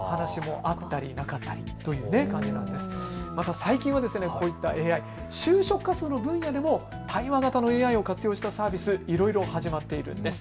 また最近はこういったＡＩ、就職活動の分野でも対話型のＡＩを活用したサービス、いろいろ始まっているんです。